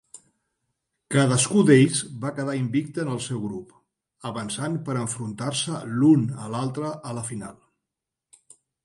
Cadascú d'ells va quedar invicte en el seu grup, avançant per enfrontar-se l'un a l'altre a la final.